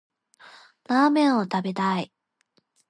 ラーメンを食べたい。